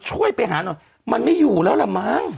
ช่วยไปหาหน่อยมันไม่อยู่แล้วล่ะมั้ง